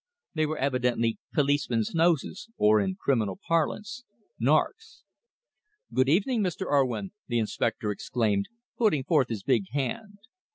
They were evidently policemen's noses, or, in criminal parlance, "narks." "Good evening, Mr. Urwin," the inspector exclaimed, putting forth his big hand.